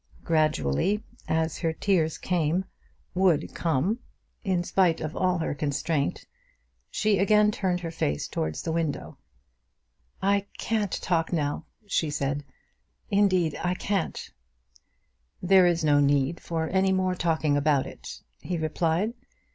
Gradually, as her tears came, would come, in spite of all her constraint, she again turned her face towards the window. "I can't talk now," she said, "indeed I can't." "There is no need for any more talking about it," he replied.